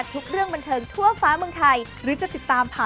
เต้นแรงบันดาลใจในงวดถัดไป